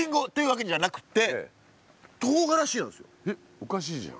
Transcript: おかしいじゃん。